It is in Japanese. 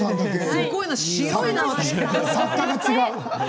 すごいな白いな。